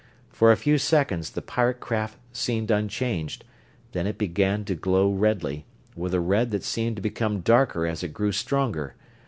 For a few seconds the pirate craft seemed unchanged, then it began to glow redly, with a red that seemed to become darker as it grew stronger.